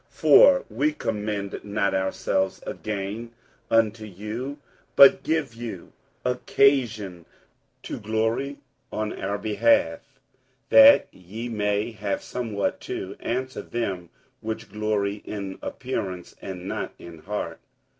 47:005:012 For we commend not ourselves again unto you, but give you occasion to glory on our behalf, that ye may have somewhat to answer them which glory in appearance, and not in heart.